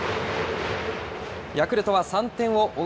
ヤクルトは３点を追う